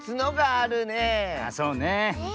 ああそうねえ。